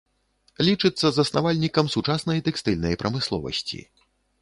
Лічыцца заснавальнікам сучаснай тэкстыльнай прамысловасці.